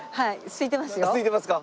すいてますか！